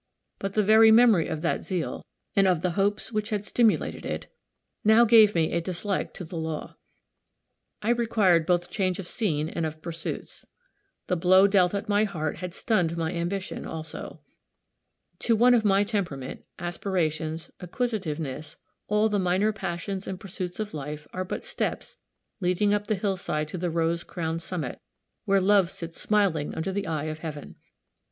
But, the very memory of that zeal, and of the hopes which had stimulated it, now gave me a dislike to the law. I required both change of scene and of pursuits. The blow dealt at my heart had stunned my ambition, also. To one of my temperament, aspirations, acquisitiveness, all the minor passions and pursuits of life are but steps leading up the hillside to the rose crowned summit, where love sits smiling under the eye of heaven.